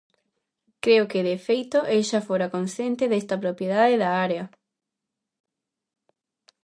Creo que, de feito, el xa fora consciente desta propiedade da área.